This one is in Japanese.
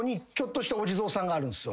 あるんすよ